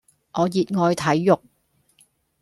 我熱愛睇肉